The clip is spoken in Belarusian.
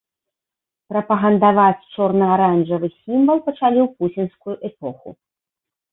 Прапагандаваць чорна-аранжавы сімвал пачалі ў пуцінскую эпоху.